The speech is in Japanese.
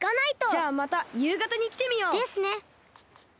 じゃあまたゆうがたにきてみよう。ですね。